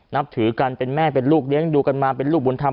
นับถือกันเป็นแม่เป็นลูกเลี้ยงดูกันมาเป็นลูกบุญธรรม